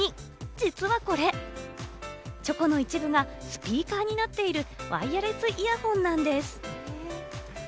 実はこれ、チョコの一部がスピーカーになっているワイヤレスイヤホンなんです。